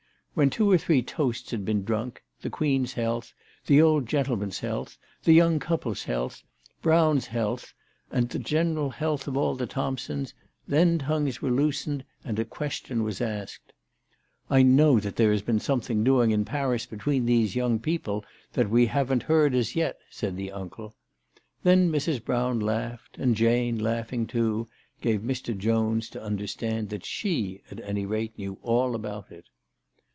When two or three toasts had been drunk, the Queen's health, the old gentleman's health, the young couple's health, Brown's health, and the general health of all the Thompsons, then tongues were loosened and a question CHRISTMAS AT THOMPSON HALL. 259 was asked," I know that there has been something doing in Paris between these young people that we haven't heard as yet," said the uncle. Then Mrs. Brown laughed, and Jane, laughing too, gave Mr. Jones to understand that she at any rate knew all about it.